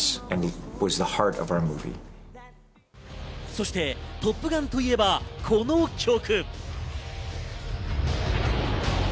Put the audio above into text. そして『トップガン』といえば、この曲。